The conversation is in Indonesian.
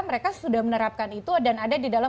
mereka sudah menerapkan itu dan ada di dalam